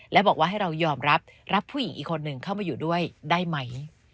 และบอกว่าให้เรายอมรับรับผู้หญิงอีกคนหนึ่งเข้ามาอยู่ด้วยได้ไหม